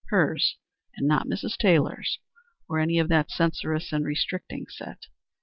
Her's, and not Mrs. Taylor's, or any of that censorious and restricting set.